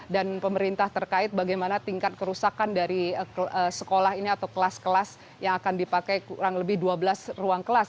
dan pemerintah terkait bagaimana tingkat kerusakan dari sekolah ini atau kelas kelas yang akan dipakai kurang lebih dua belas ruang kelas